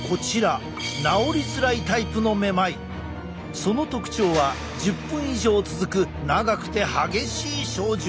その特徴は１０分以上続く長くて激しい症状。